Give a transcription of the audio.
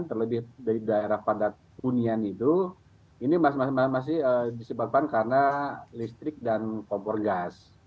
terlebih dari daerah padat hunian itu ini masih disebabkan karena listrik dan kompor gas